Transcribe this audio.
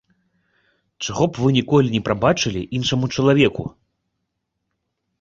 Чаго б вы ніколі не прабачылі іншаму чалавеку?